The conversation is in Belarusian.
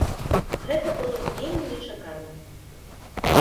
Гэта было вельмі нечакана.